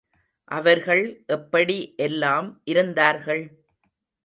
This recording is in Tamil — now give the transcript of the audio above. அவர்கள் எப்படி எல்லாம் இருந்தார்கள்?